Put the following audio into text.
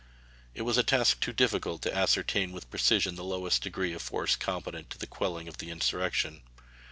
It was a task too difficult to ascertain with precision the lowest degree of force competent to the quelling of the insurrection.